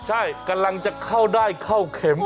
ใช่กำลังจะเข้าได้เข้าเข็ม